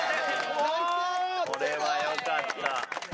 これはよかった。